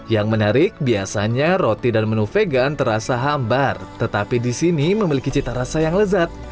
yang menarik biasanya roti dan menu vegan terasa hambar tetapi di sini memiliki cita rasa yang lezat